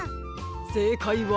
せいかいは。